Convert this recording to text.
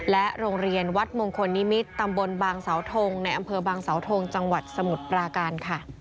โรงเรียนวัดมงคลนิมิตรตำบลบางเสาทงในอำเภอบางสาวทงจังหวัดสมุทรปราการค่ะ